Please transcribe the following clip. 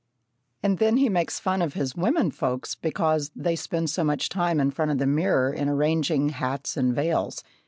And then he makes fun of his women folks because they spend so much time in front of the mirror in arranging hats and veils.